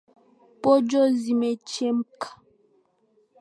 Pojo zimechemka.